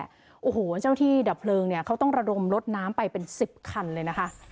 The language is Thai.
โอ้โหเจ้าที่ดับเพลิงเนี่ยเขาต้องระดมรถน้ำไปเป็น๑๐คันเลยนะคะ